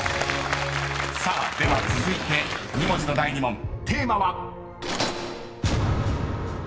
［さあでは続いて２文字の第２問テーマは］